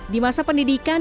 di masa pendidikan